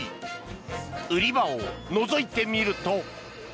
売り場をのぞいてみると。